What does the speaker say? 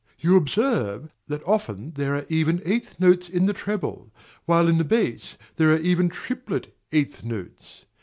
You observe that often there are even eighth notes in the treble, while in the bass there are even triplet eighth notes.